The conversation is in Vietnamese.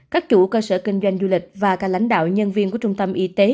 các chủ cơ sở kinh doanh du lịch và các lãnh đạo nhân viên của trung tâm y tế